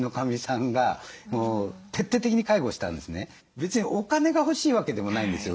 別にお金が欲しいわけでもないんですよ